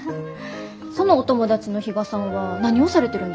そのお友達の比嘉さんは何をされてるんですか？